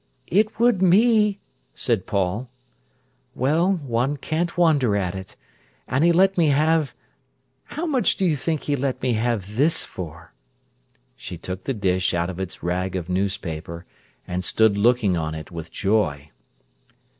"It would me," said Paul. "Well, one can't wonder at it. And he let me have—how much do you think he let me have this for?" She took the dish out of its rag of newspaper, and stood looking on it with joy.